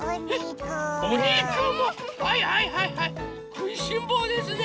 くいしんぼうですね。ね。